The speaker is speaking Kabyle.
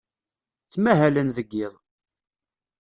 Ttmahalen deg yiḍ.